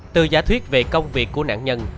từ giả thuyết về công việc của nạn nhân